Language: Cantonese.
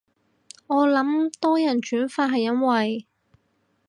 我諗多人轉發係因為